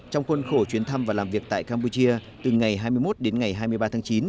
trong khuôn khổ chuyến thăm và làm việc tại campuchia từ ngày hai mươi một đến ngày hai mươi ba tháng chín